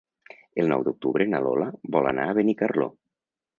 El nou d'octubre na Lola vol anar a Benicarló.